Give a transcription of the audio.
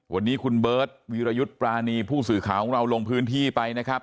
วันนี้คุณเบิร์ตวิรยุทธ์ปรานีผู้สื่อข่าวของเราลงพื้นที่ไปนะครับ